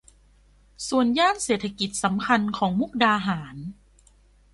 ส่วนย่านเศรษฐกิจสำคัญของมุกดาหาร